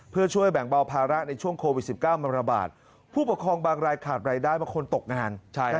เพื่อช่วยแบ่งเบาภาระในช่วงโควิด๑๙มันระบาดผู้ปกครองบางรายขาดรายได้บางคนตกงาน